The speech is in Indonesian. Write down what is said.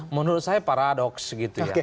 menurut saya paradoks gitu ya